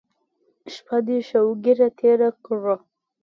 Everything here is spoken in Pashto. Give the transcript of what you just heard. شپه دې شوګیره تېره کړه.